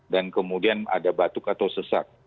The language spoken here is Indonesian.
dan kemudian ada batuk atau sesak